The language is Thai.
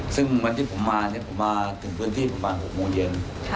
ซึ่งวันที่ผมมาผมมาถึงพื้นที่ประมาณ๖โมงเย็น